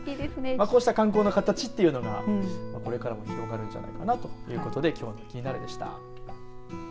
こうした観光の形というのがこれからも広がるんじゃないかなということできょうのキニナル！でした。